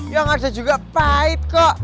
yang ada juga pahit kok